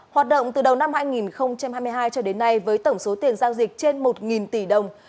hoạt động từ đầu năm hai nghìn hai mươi hai cho đến nay với tổng số tiền giao dịch trên một tỷ đồng